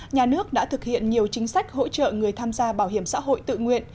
nhà nước đã thực hiện nhiều chính sách hỗ trợ người tham gia bảo hiểm xã hội tự nguyện